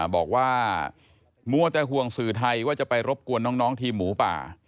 บอกว่ามัวแต่ห่วงสื่อไทยว่าจะไปรบกวนน้องทีมหมูป่า